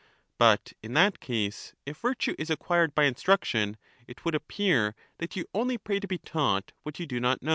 But in that case, if virtue is acquired by instruction, it would appear that you only pray to be taught what you do not know.